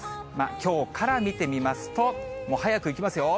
きょうから見てみますと、速くいきますよ。